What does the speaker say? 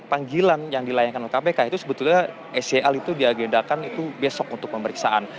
panggilan yang dilayangkan oleh kpk itu sebetulnya scl itu diagendakan itu besok untuk pemeriksaan